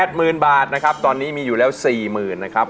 หมื่นบาทนะครับตอนนี้มีอยู่แล้ว๔๐๐๐นะครับ